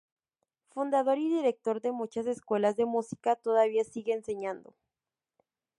Fundador y director de muchas Escuelas de Musica, todavía sigue enseñando.